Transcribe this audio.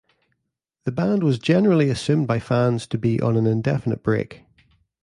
The band was generally assumed by fans to be on indefinite break.